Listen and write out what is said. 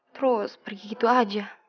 terus pergi gitu aja